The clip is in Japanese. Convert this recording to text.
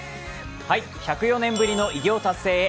１０４年ぶりの偉業達成へ。